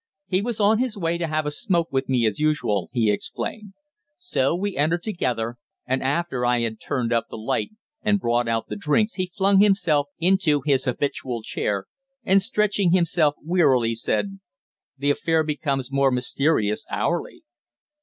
He was on his way to have a smoke with me as usual, he explained. So we entered together, and after I had turned up the light and brought out the drinks he flung himself into his habitual chair, and stretching himself wearily said "The affair becomes more mysterious hourly."